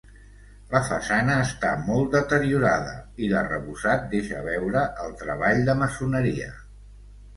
La façana està molt deteriorada, i l'arrebossat deixa veure el treball de maçoneria.